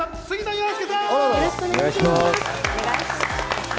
よろしくお願いします。